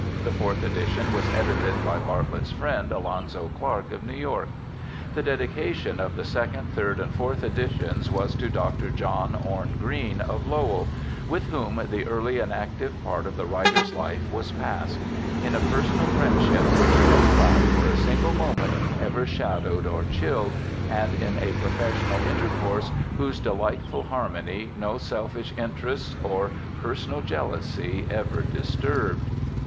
The fourth edition was edited by Bartlett's friend, Alonzo Clark, of New York. The dedication of the second, third, and fourth editions was to Dr. John Orne Green, of Lowell, * with whom the early and active part of the writer's life was passed ; in a personal friendship which no cloud, for a single moment, ever shadowed or chilled ; and in a professional intercourse whose delightful har^ mony no selfish interest or personal jealousy ever disturbed.'